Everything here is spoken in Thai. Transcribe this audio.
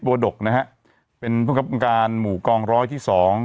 ดกนะฮะเป็นผู้คับการหมู่กองร้อยที่สอง